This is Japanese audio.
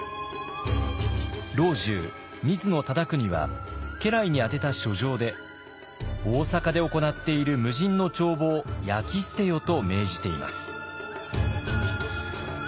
老中水野忠邦は家来に宛てた書状で「大坂で行っている無尽の帳簿を焼き捨てよ」と命じています。